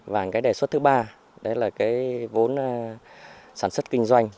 và cái đề xuất thứ ba đấy là cái vốn sản xuất kinh doanh